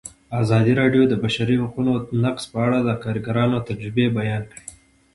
ازادي راډیو د د بشري حقونو نقض په اړه د کارګرانو تجربې بیان کړي.